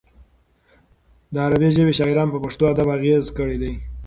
د عربي ژبې شاعرانو په پښتو ادب اغېز کړی دی.